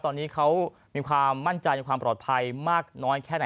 ตอนนี้เขามีความมั่นใจในความปลอดภัยมากน้อยแค่ไหน